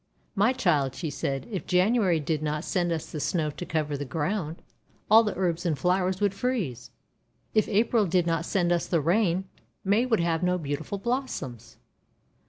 "My child," she said, "if January did not send us the Snow to cover the ground, all the little herbs and flowers would freeze. If April did not send us the Rain, May would have no beautiful blossoms!'